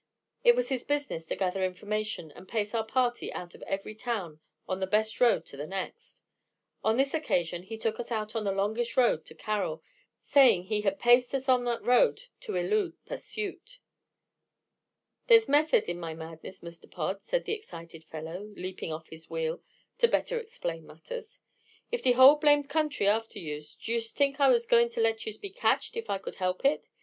It was his business to gather information and pace our party out of every town on the best road to the next. On this occasion he took us out on the longest road to Carroll, saying he had paced us on that road to elude pursuit. "Dey's method in my madness, Mr. Pod," said the excited fellow, leaping off his wheel, to better explain matters. "If de whole blamed country's after yuse, do yuse tink I was goin' to let yuse be catched if I could help it?